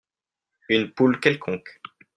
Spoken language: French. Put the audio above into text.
une poule quelconque.